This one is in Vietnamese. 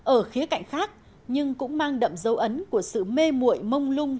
ở khía cạnh khác nhưng cũng mang đậm dấu ấn của sự mê mụi mông lung